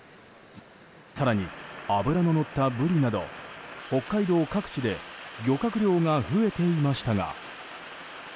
更に脂ののったブリなど北海道各地で漁獲量が増えていましたが。